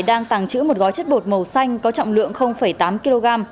đang tàng trữ một gói chất bột màu xanh có trọng lượng tám kg